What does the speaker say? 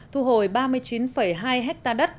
thu hồi ba mươi chín hai hectare đất